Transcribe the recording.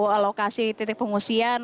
lalu lokasi titik pengungsian